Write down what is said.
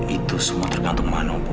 itu semua tergantung manu bu